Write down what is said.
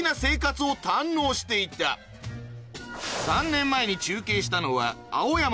３年前に中継したのはすごい！